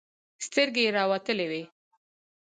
سترګې يې راوتلې وې.